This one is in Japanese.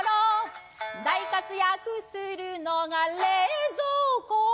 大活躍するのが冷蔵庫